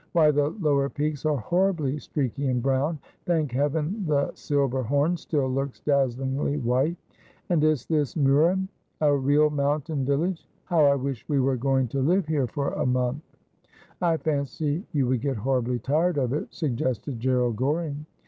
Why, the lower peaks are horribly streaky and brown. Thank Heaven the Silberhorn still looks dazzlingly white. And is this Miirren ? A real mountain village ? How I wish we were going to live here for a month.' 'I fancy you would get horribly tired of it,' suggested Gerald Goring.